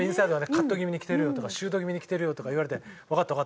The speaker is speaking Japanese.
「カット気味にきてるよ」とか「シュート気味にきてるよ」とか言われて「わかったわかった」。